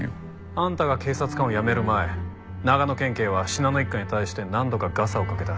あんたが警察官を辞める前長野県警は信濃一家に対して何度かガサをかけた。